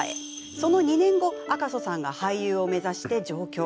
その２年後、赤楚さんが俳優を目指して上京。